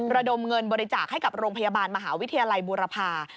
ระดมเงินบริจาคให้กับโรงพยาบาลมหาวิทยาลัยบุรพา